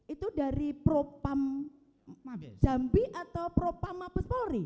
itu dari propam jambi atau propam mabespori